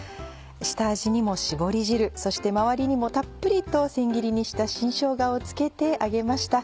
下味にもしぼり汁そして周りにもたっぷりと千切りにした新しょうがを付けて揚げました。